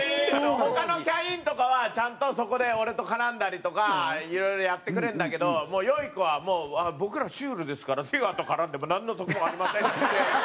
他のキャインとかはちゃんとそこで俺と絡んだりとかいろいろやってくれるんだけどもうよゐこは僕らシュールですから出川と絡んでもなんの得もありませんっていって。